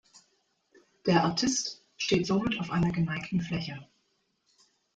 Der Artist steht somit auf einer geneigten Fläche.